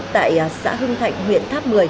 tại xã hưng thạnh huyện tháp một mươi